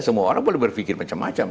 semua orang boleh berpikir macam macam